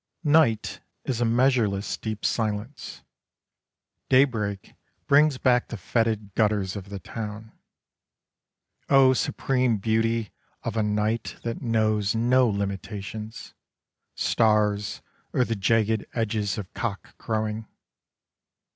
33 Beauty. Night is a measureless deep silence : daybreak brings back the foetid gutters of the town. O supreme beauty of a night that knows no limitations — stars or the jagged edges of cock crowing.